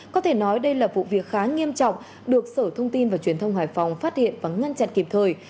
có thể nói đây là vụ việc khá nghiêm trọng được sở thông tin và truyền thông hải phòng phát hiện và ngăn chặn kịp thời